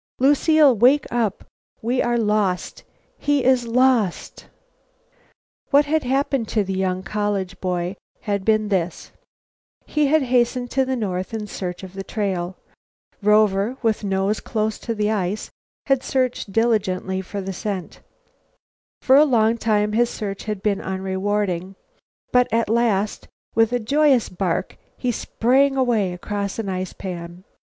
"Lucile! Wake up! We are lost! He is lost!" What had happened to the young college boy had been this: He had hastened to the north in search of the trail. Rover, with nose close to the ice, had searched diligently for the scent. For a long time his search had been unrewarded, but at last, with a joyous bark, he sprang away across an ice pan.